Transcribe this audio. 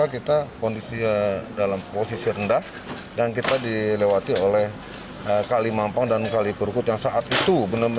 karena kita kondisi dalam posisi rendah dan kita dilewati oleh kali mampang dan kali kerukut yang saat itu